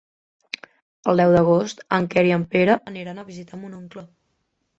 El deu d'agost en Quer i en Pere aniran a visitar mon oncle.